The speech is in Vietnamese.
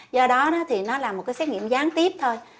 do đó thì nó là một cái xét nghiệm gián tiếp thôi